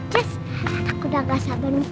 jess aku udah gak sabar nungguin